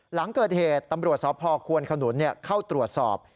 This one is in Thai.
หลังเกิดเหตุตำรวจสพควนขนุนเข้าตรวจสอบ